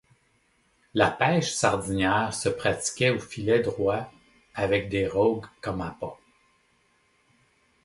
La pêche sardinière se pratiquait au filet droit avec des rogues comme appât.